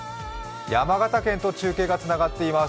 山形県と中継がつながっています。